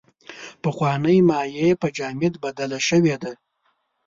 پخوانۍ مایع په جامد بدله شوې ده.